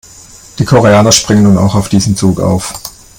Die Koreaner springen nun auch auf diesen Zug auf.